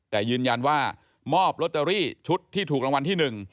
แต่ยืนยันว่ามอบลอตเตอรี่ชุดที่ถูกรางวัลที่๑